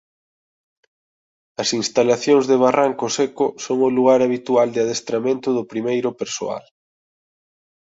As instalacións de Barranco Seco son o lugar habitual de adestramento do primeiro persoal.